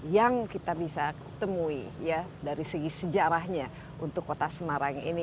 yang kita bisa temui ya dari segi sejarahnya untuk kota semarang ini